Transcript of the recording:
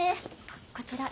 こちら。